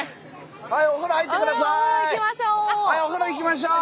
お風呂お風呂行きましょう。